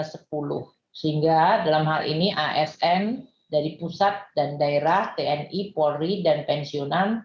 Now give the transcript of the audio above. sehingga dalam hal ini asn dari pusat dan daerah tni polri dan pensiunan